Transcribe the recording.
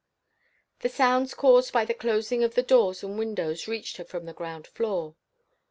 The sounds caused by the closing of the doors and windows reached her from the ground floor.